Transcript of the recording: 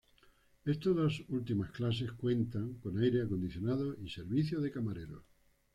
Estas dos últimas clases cuentan con aire acondicionado y servicio de camareros.